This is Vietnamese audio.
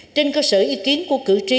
trên cơ sở ý kiến của cử tri